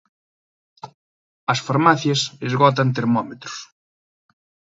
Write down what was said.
As farmacias esgotan termómetros.